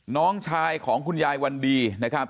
น้องชายของคุณยายวันดีนะครับ